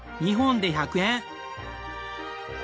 ２本で１００円！